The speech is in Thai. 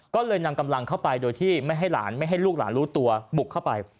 ก็เลยนำกำลังเข้าไปโดยที่ไม่ให้หลานไม่ให้ลูกหลานรู้ตัวบุกเข้าไป